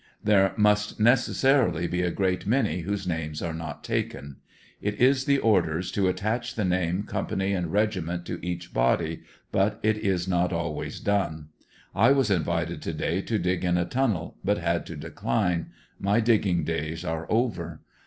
There must necessarily be a great many whose names are not taken. It is the orders to attach the name, company and regiment to each body, but it is not always done. I was invited to day to dig in a tunnel, but had to decline. My digging days are over.